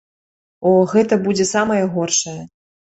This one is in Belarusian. О, гэта будзе самае горшае.